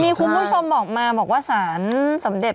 มีคุณผู้ชมบอกมาสารสำเร็จ